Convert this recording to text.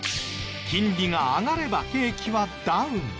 金利が上がれば景気はダウン。